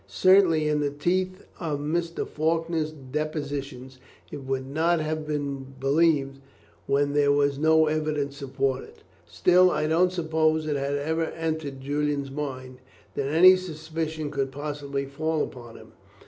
Certainly, in the teeth of Mr. Faulkner's depositions, it would not have been believed when there was no evidence to support it. Still, I don't suppose it had even entered Julian's mind that any suspicion could possibly fall upon him.